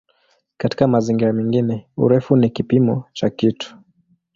Katika mazingira mengine "urefu" ni kipimo cha kitu.